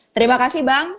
terima kasih bang